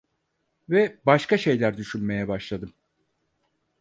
Ve başka şeyler düşünmeye başladım.